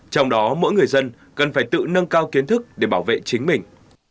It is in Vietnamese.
trong đó mỗi người dân cần phải tự nâng cao kiến thức để bảo vệ chính mình